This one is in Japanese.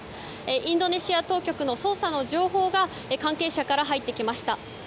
インドネシア当局の捜査の情報が関係者から入ってきました。